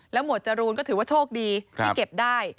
หมวดจรูนก็ถือว่าโชคดีที่เก็บได้